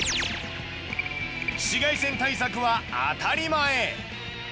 紫外線対策は当たり前！